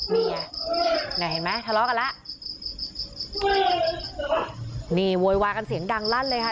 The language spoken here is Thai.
เห็นไหมทะเลาะกันละนี่โวยวากันเสียงดังลั่นเลยค่ะ